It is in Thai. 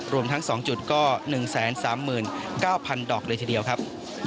รวมทั้ง๒จุดก็๑๓๙๐๐ดอกเลยทีเดียวครับ